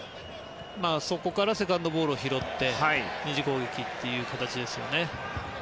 そこからセカンドボールを拾って２次攻撃という形ですね。